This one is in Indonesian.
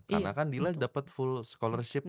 karena kan dilan dapat full scholarship